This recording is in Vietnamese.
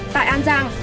tại an giang